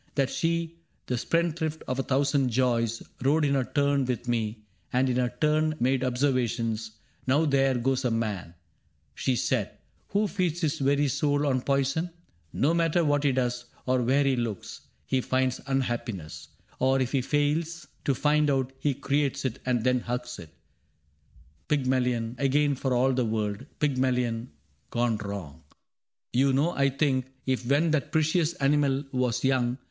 That she, the spendthrift of a thousand joys. Rode in her turn with me, and in her turn Made observations :' Now there goes a man,* She said, ' who feeds his very soul on poison : No matter what he does, or where he looks, He finds unhappiness ; or, if he fails ^ To find it, he creates it, and then hugs it : Pygmalion again for all the world — Pygmalion gone wrong. You know I think If when that precious animal was young.